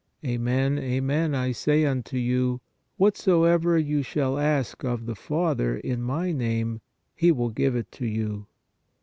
" Amen, amen I say unto you, whatsoever you shall ask of the Father in My name, He will give it to you."